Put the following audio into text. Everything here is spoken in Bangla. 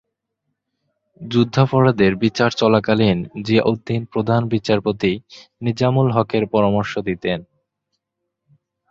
যুদ্ধাপরাধের বিচার চলাকালীন জিয়াউদ্দিন প্রধান বিচারপতি নিজামুল হকের পরামর্শ দিতেন।